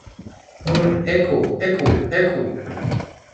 Nun eku, eku, eku!